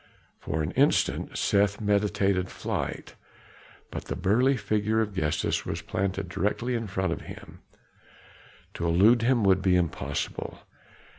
For an instant Seth meditated flight; but the burly figure of Gestas was planted directly in front of him; to elude him would be impossible.